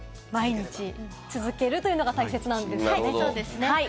毎日続けるのが大切なんですね。